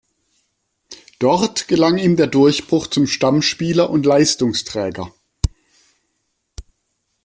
Dort gelang ihm der Durchbruch zum Stammspieler und Leistungsträger.